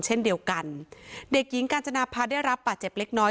เช่นเดียวกันเด็กหญิงกาญจนาภาได้รับป่าเจ็บเล็กน้อย